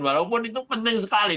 walaupun itu penting sekali